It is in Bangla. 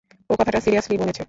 ও কথাটা সিরিয়াসলি বলেছে!